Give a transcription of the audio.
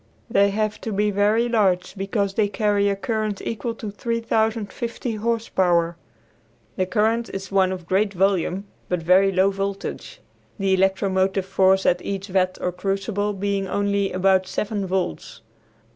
They have to be very large because they carry a current equal to 3050 horse power. The current is one of great volume, but very low voltage; the electromotive force at each vat or crucible being only about seven volts.